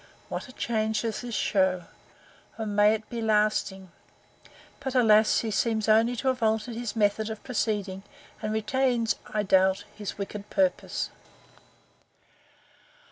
What a change does this shew!—O may it be lasting!—But, alas! he seems only to have altered his method of proceeding; and retains, I doubt, his wicked purpose.